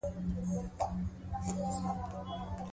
د تعلیم په برکت، ټولنه په خپلو ځواکونو ډیر باور کوي.